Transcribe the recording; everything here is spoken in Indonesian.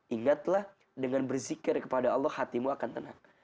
ingatlah dengan berzikir kepada allah hatimu akan tenang